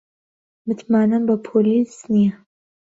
متمانەم بە پۆلیس نییە.